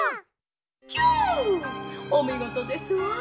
「キュおみごとですわ。